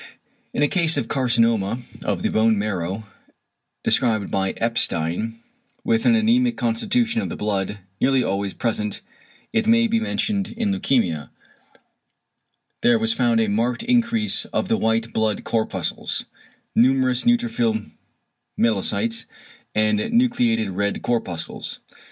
In a case of carcinoma of the bone marrow, described by Epstein, with an anæmic constitution of the blood (nearly always present it may be mentioned in leukæmia), there was found a marked increase of the white blood corpuscles, numerous neutrophil myelocytes and nucleated red corpuscles.